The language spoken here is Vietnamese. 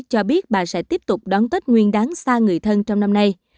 cho biết bà sẽ tiếp tục đón tết nguyên đáng xa người thân trong năm nay